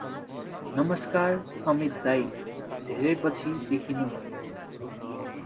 नमस्कार समित दाई, धेरै पछि देखिनुभयो ।